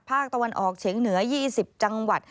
ภาคตะวันออกเฉียงเหนือ๒๐จังหวัด